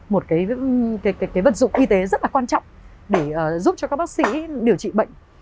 một cái vật dụng y tế rất là quan trọng để giúp cho các bác sĩ điều trị bệnh